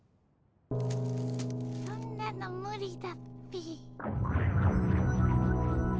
そんなのむりだっピ。